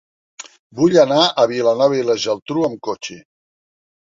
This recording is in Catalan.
Vull anar a Vilanova i la Geltrú amb cotxe.